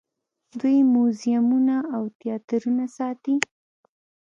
دوی موزیمونه او تیاترونه ساتي.